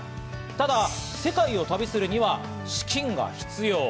ただ世界を旅するには資金が必要。